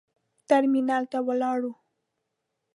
ترمینال ته ولاړو.